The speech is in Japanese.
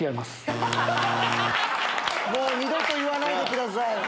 もう二度と言わないでください